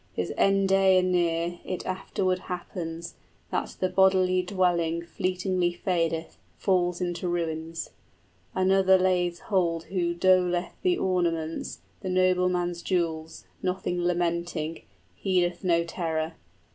His end day anear, 10 It afterward happens that the bodily dwelling Fleetingly fadeth, falls into ruins; Another lays hold who doleth the ornaments, The nobleman's jewels, nothing lamenting, Heedeth no terror.